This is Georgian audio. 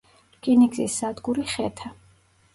რკინიგზის სადგური ხეთა.